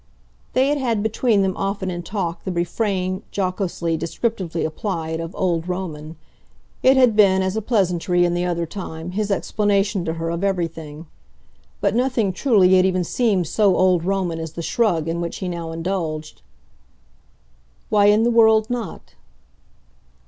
They had had between them often in talk the refrain, jocosely, descriptively applied, of "old Roman." It had been, as a pleasantry, in the other time, his explanation to her of everything; but nothing, truly, had even seemed so old Roman as the shrug in which he now indulged. "Why in the world not?"